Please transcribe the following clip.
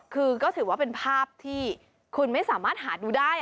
คือก็ถือว่าเป็นภาพที่คุณไม่สามารถหาดูได้